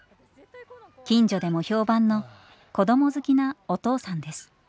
近所でも評判の子ども好きなお父さんです。